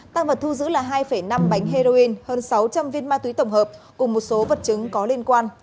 tăng vật thu giữ là hai năm bánh heroin hơn sáu trăm linh viên ma túy tổng hợp cùng một số vật chứng có liên quan